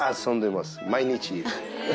毎日。